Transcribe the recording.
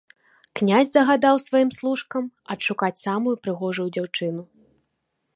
Князь загадаў сваім служкам адшукаць самую прыгожую дзяўчыну.